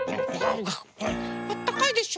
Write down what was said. あったかいでしょ？